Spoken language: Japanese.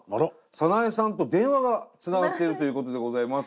早苗さんと電話がつながってるということでございます。